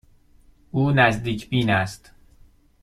او نزدیک بین است.